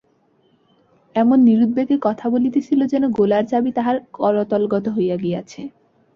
এমন নিরুদ্বেগে কথা বলিতেছিল যেন গোলার চাবি তাহার করতলগত হইয়া গিয়াছে।